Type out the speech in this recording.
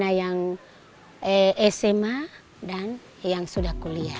dan juga bagi para anak anak yang sudah kuliah